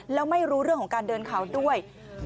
แล้วไม่รู้เรื่องของการเดินเขาด้วย